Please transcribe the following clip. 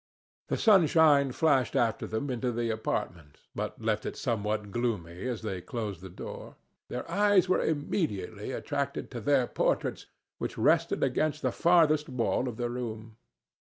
The sunshine flashed after them into the apartment, but left it somewhat gloomy as they closed the door. Their eyes were immediately attracted to their portraits, which rested against the farthest wall of the room.